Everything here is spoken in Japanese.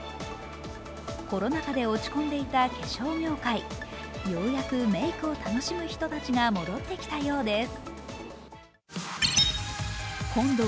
コロナ禍で落ち込んでいた化粧業界、ようやくメークを楽しむ人たちが戻ってきたようです。